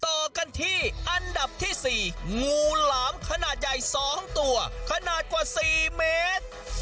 ต่อกันที่อันดับที่๔งูหลามขนาดใหญ่๒ตัวขนาดกว่า๔เมตร